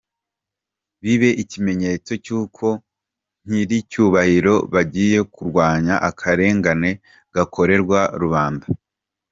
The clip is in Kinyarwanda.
Bibe ikimenyetso cy’uko Ba Nyiricyubahiro bagiye kurwanya akarengane gakorerwa rubanda.